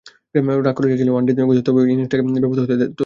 Run করে যাচ্ছিলেন one day গতিতে, তবে ইনিংসটাকে বেপথু হতে তো দেননি।